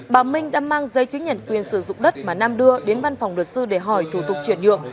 bà minh đã mang giấy chứng nhận quyền sử dụng đất mà nam đưa đến văn phòng luật sư để hỏi thủ tục chuyển nhượng